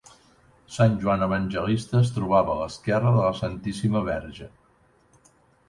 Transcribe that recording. Sant Joan Evangelista es trobava a l'esquerra de la Santíssima Verge.